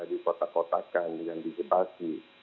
di kotak kotakan digigitasi